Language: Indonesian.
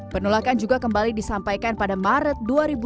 penolakan juga kembali disampaikan pada maret dua ribu dua puluh